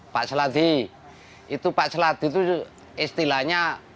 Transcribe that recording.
pak sladi itu pak sladi itu istilahnya